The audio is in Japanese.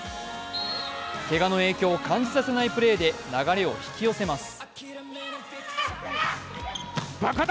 けがの影響を感じさせないプレーで流れを引き寄せます。